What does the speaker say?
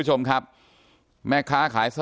การแก้เคล็ดบางอย่างแค่นั้นเอง